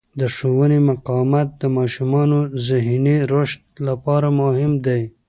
د ښوونې مقاومت د ماشومانو ذهني رشد لپاره مهم دی.